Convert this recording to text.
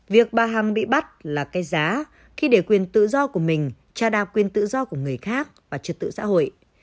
việc bà hằng bị bắt là cái giá khi để quyền tự do của mình tra đạp quyền tự do của người khác và trật tự xã hội